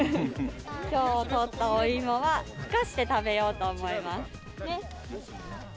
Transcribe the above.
きょう取ったお芋は、ふかして食べようと思います。ね？